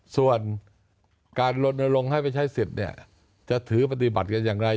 ส่วนการลนลงให้ไปใช้สิทธิ์เนี่ยจะถือปฏิบัติกันอย่างไร